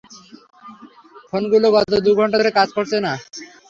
ফোনগুলো গত দুই ঘণ্টা ধরে কাজ করছে না।